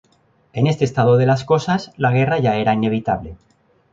En este estado de cosas, la guerra era ya inevitable.